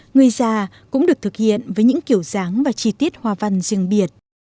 người già cũng được thực hiện với những kiểu dáng và chi tiết hoa văn riêng biệt